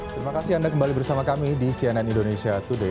terima kasih anda kembali bersama kami di cnn indonesia today